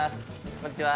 こんにちは。